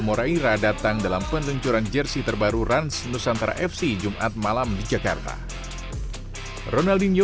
moraira datang dalam peneluncuran jersey terbaru ranz nusantara fc jumat malam di jakarta ronaldinho